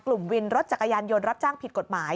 วินรถจักรยานยนต์รับจ้างผิดกฎหมาย